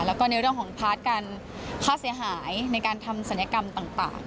แล้วก็ในเรื่องของพาร์ทการค่าเสียหายในการทำศัลยกรรมต่าง